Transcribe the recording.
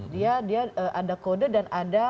dia dia ada kode dan ada